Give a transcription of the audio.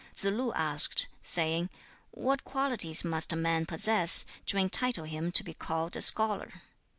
Tsze lu asked, saying, 'What qualities must a man possess to entitle him to be called a scholar?'